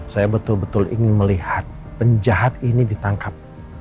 saya betul betul ingin melihat penjahat ini ditangkap